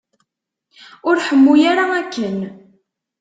Ur ḥemmu ara akken.